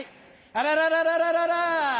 あららららららら！